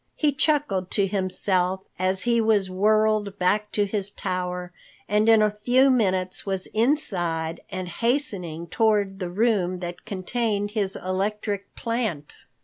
He chuckled to himself as he was whirled back to his tower, and in a few moments was inside and hastening toward the room that contained his electric plant.